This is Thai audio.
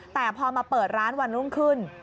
แต่พอมาเปิดร้านวันรุ่งขึ้น